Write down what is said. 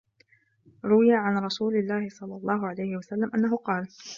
رُوِيَ عَنْ رَسُولِ اللَّهِ صَلَّى اللَّهُ عَلَيْهِ وَسَلَّمَ أَنَّهُ قَالَ